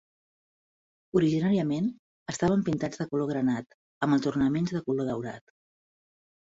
Originàriament estaven pintats de color granat amb els ornaments de color daurat.